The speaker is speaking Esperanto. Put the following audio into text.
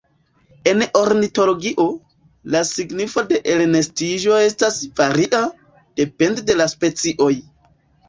En ornitologio, la signifo de elnestiĝo estas varia, depende de la specioj.